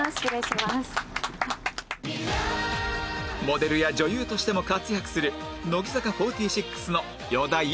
モデルや女優としても活躍する乃木坂４６の与田祐希さん